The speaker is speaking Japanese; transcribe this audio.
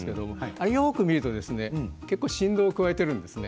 よく見ると振動を加えています。